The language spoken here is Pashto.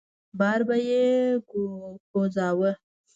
بار به يې کوزاوه.